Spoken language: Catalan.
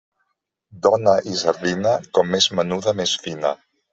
Dona i sardina, com més menuda més fina.